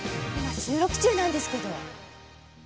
今収録中なんですけど。